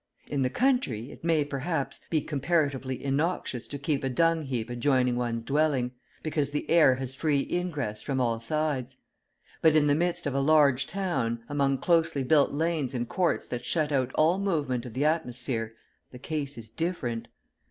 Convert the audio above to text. In the country, it may, perhaps, be comparatively innoxious to keep a dung heap adjoining one's dwelling, because the air has free ingress from all sides; but in the midst of a large town, among closely built lanes and courts that shut out all movement of the atmosphere, the case is different.